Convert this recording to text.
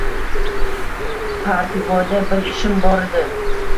– Parpivoyda bir ishim boridi